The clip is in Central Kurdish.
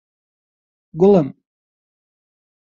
گوڵم!